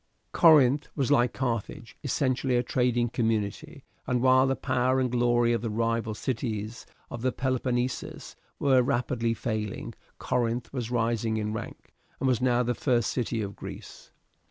Corinth was, like Carthage, essentially a trading community; and while the power and glory of the rival cities of the Peloponnesus were rapidly failing Corinth was rising in rank, and was now the first city of Greece.